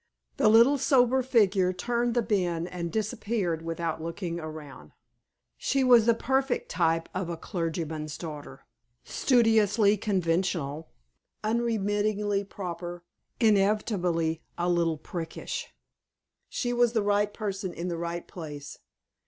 The little sober figure turned the bend and disappeared without looking around. She was the perfect type of a clergyman's daughter studiously conventional, unremittingly proper, inevitably a little priggish. She was the right person in the right place.